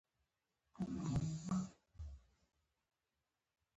مېلمه ته د زړه پاکه خبره وایه.